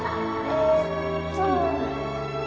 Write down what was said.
えっと